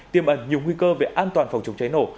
tiêm ẩn nhiều nguy cơ về an toàn phòng chống cháy nổ